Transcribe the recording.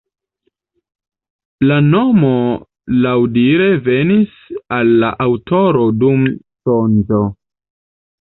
La nomo laŭdire venis al la aŭtoro dum sonĝo.